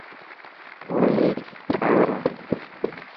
هون هيڪ ڊرائور هان.